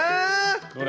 どれ？